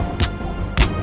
aku mau ke kanjeng itu